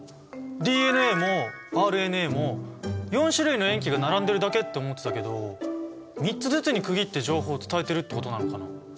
ＤＮＡもＲＮＡも４種類の塩基が並んでるだけって思ってたけど３つずつに区切って情報を伝えてるってことなのかな？